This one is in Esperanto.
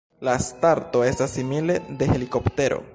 La starto estas simile de helikoptero.